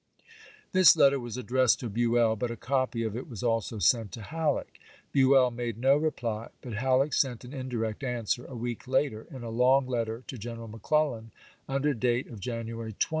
This letter was addressed to Buell, but a copy of it was also sent to Halleck. Buell made no reply, but HaUeck sent an indirect answer, a week later, in a long letter to General McClellan under date of 1862. January 20.